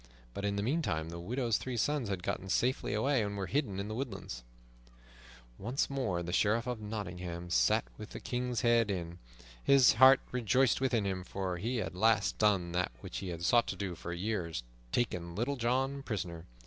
But in the meantime the widow's three sons had gotten safely away, and were hidden in the woodlands. Once more the Sheriff of Nottingham sat within the King's Head Inn. His heart rejoiced within him, for he had at last done that which he had sought to do for years, taken Little John prisoner.